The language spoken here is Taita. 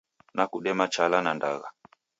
Nakudema chala na ndagha!